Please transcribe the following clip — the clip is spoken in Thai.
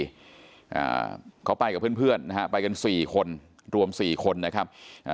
อ่าเขาไปกับเพื่อนเพื่อนนะฮะไปกันสี่คนรวมสี่คนนะครับอ่า